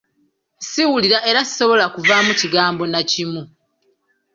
Siwulira era sisobola kuvaamu kigambo na kimu.